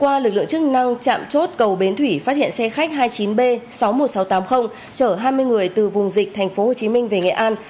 hôm qua lực lượng chức năng chạm chốt cầu bến thủy phát hiện xe khách hai mươi chín b sáu mươi một nghìn sáu trăm tám mươi chở hai mươi người từ vùng dịch tp hcm về nghệ an